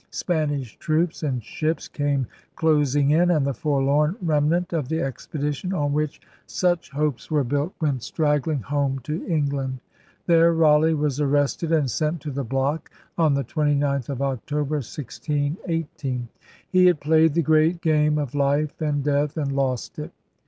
Spanish troops and ships came closing in; and the forlorn remnant of the expedition on which such hopes were built went straggling home to England. There Raleigh was arrested and sent to the block on the 29th of October, 1618. He had played the great game of life and death and lost it.